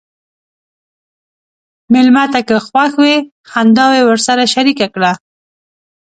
مېلمه ته که خوښ وي، خنداوې ورسره شریکه کړه.